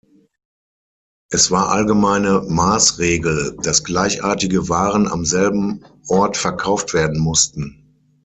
Es war allgemeine Maßregel, dass gleichartige Waren am selben Ort verkauft werden mussten.